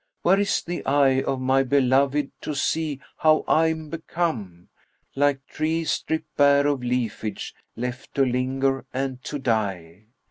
Where is the eye of my beloved to see how I'm become * Like tree stripped bare of leafage left to linger and to die.